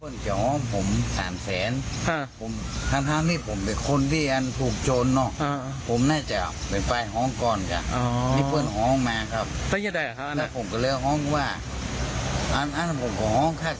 แล้วพี่เขาเรียกว่าว่าไหนครับ